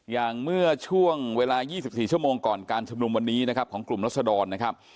อย่างเมื่อช่วงเวลา๒๔ชั่วโมงก่อนการชุมนุมวันนี้นะครับของกลุ่มรัศดรนะครับ